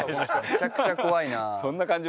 めちゃくちゃ怖いな。